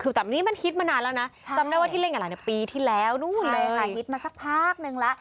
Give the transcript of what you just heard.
คือแบบนี้มันฮิตมานานแล้วนะจำได้ว่าที่เล่นกับหลานปีที่แล้วนู่นเลยค่ะฮิตมาสักพักนึงแล้ว